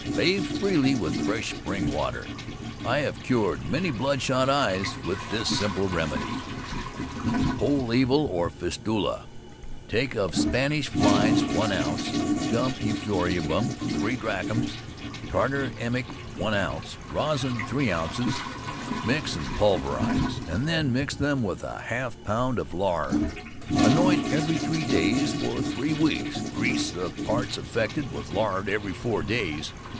Bathe freely with fresh spring water. I have cured many bloodshot eyes with this simple remedy. POLL EVIL OR FISTULA. Take of Spanish flies 1 oz., gum euphorbium 3 drachms, tartar emetic 1 oz., rosin 3 oz.; mix and pulverize, and then mix them with a half lb. of lard. Anoint every three days for three weeks; grease the parts affected with lard every four days.